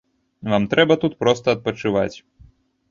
Вам трэба тут проста адпачываць!